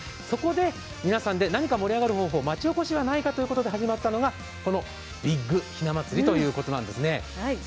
そこで皆さんで何か盛り上がる方法、町おこしがないかということで始まったのがこのビッグひな祭りということなんですね。